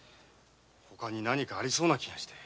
ほかになにかありそうな気がして。